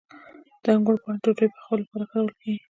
د انګورو پاڼې د ډوډۍ پخولو لپاره کارول کیږي.